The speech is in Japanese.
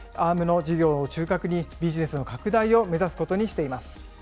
Ａｒｍの事業を中核にビジネスの拡大を目指すことにしています。